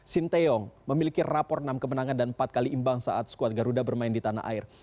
sinteyong memiliki rapor enam kemenangan dan empat kali imbang saat skuad garuda bermain di tanah air